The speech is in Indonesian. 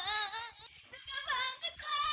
ruka banget ma